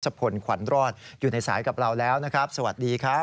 พลขวัญรอดอยู่ในสายกับเราแล้วนะครับสวัสดีครับ